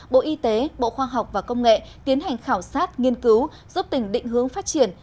bộ y tế bộ khoa học và công nghệ tiến hành khảo sát nghiên cứu giúp tỉnh định hướng phát triển